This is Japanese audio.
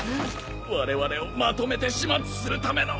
われわれをまとめて始末するための。